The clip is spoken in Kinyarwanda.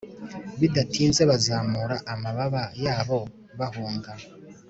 bidatinze bazamura amababa yabo bahunga,